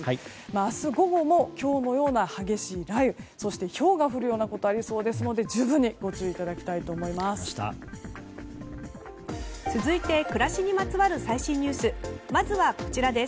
明日午後も今日のような激しい雷雨そしてひょうが降るようなことがありそうですので十分にご注意いただきたいと思います。